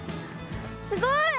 すごい。